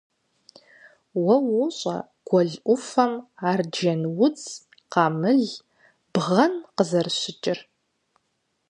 Уэ уощӀэ гуэл Ӏуфэхэм арджэнудз, къамыл, бгъэн къызэрыщыкӀыр.